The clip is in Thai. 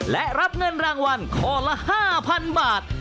และรับเงินรางวัลข้อละ๕๐๐๐บาท